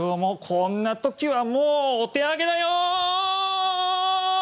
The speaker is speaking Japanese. こんな時はもうお手上げだよー！